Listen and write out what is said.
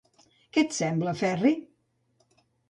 Què et sembla, Ferri?